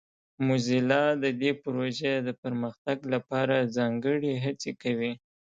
موزیلا د دې پروژې د پرمختګ لپاره ځانګړې هڅې کوي.